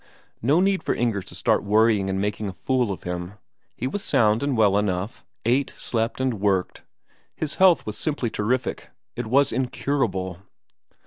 No need for Inger to start worrying and making a fool of him; he was sound and well enough; ate, slept, and worked; his health was simply terrific, it was incurable!